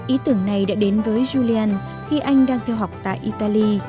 ý tưởng này đã đến với julian khi anh đang theo học tại italy